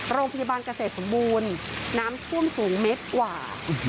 โรงพยาบาลเกษตรสมบูรณ์น้ำท่วมสูงเมตรกว่า